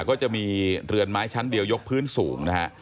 ก็จะมีเรือนไม้ชั้นเดียวยกพื้นสูงนะฮะ